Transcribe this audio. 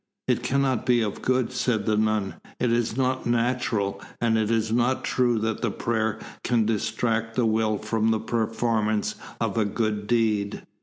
"It cannot be of good," said the nun. "It is not natural, and it is not true that the prayer can distract the will from the performance of a good deed."